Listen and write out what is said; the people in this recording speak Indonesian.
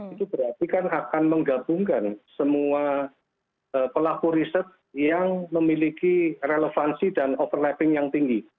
itu berarti kan akan menggabungkan semua pelaku riset yang memiliki relevansi dan overlapping yang tinggi